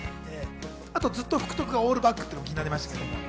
あとずっと福徳君がオールバックっていうのが気になりました。